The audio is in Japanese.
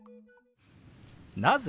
「なぜ？」。